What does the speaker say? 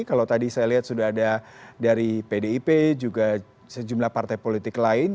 kalau tadi saya lihat sudah ada dari pdip juga sejumlah partai politik lain